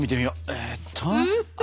えっと。